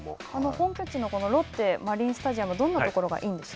本拠地のロッテ、マリンスタジアム、どんなところがいいんでし